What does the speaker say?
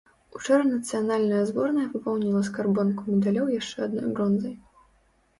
Учора нацыянальная зборная папоўніла скарбонку медалёў яшчэ адной бронзай.